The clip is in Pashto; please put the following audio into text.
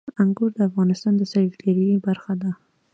انګور د افغانستان د سیلګرۍ برخه ده.